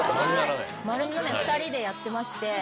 ２人でやってまして。